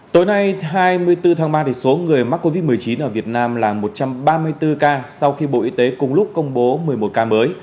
tối nay hai mươi bốn tháng ba số người mắc covid một mươi chín ở việt nam là một trăm ba mươi bốn ca sau khi bộ y tế cùng lúc công bố một mươi một ca mới